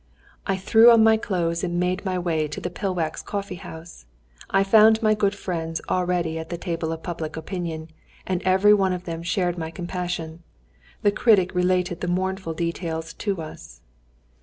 I threw on my clothes and made my way to the Pillwax coffee house. I found my good friends already at the "Table of Public Opinion," and every one of them shared my compassion. The critic related the mournful details to us.